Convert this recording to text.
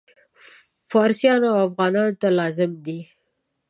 فارسیانو او افغانانو ته لازم دي.